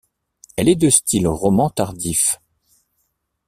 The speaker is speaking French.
Elle est de style roman tardif.